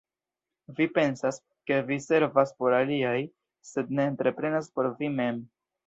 Vi pensas, ke vi servas por aliaj, sed ne entreprenas por vi mem!